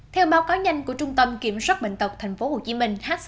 theo báo cáo nhanh của trung tâm kiểm soát bệnh tật tp hcm